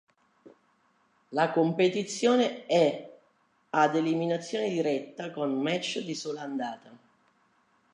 La competizione è ad eliminazione diretta, con match di sola andata.